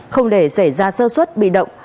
không để xảy ra sơ suất bị động